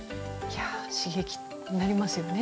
刺激になりますよね。